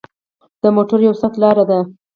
د موټر یو ساعت لاره ده.